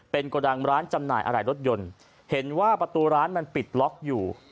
เป็นกระดังร้านจำหน่ายอะไรรถยนต์เห็นว่าประตูร้านมันปิดล็อกอยู่